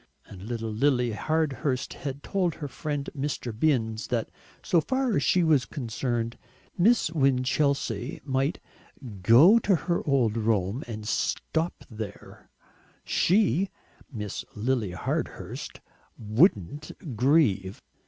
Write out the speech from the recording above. And little Lily Hardhurst had told her friend Mr. Binns that so far as she was concerned Miss Winchelsea might "go to her old Rome and stop there; SHE (Miss Lily Hardhurst) wouldn't grieve."